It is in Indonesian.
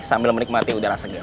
sambil menikmati udara segar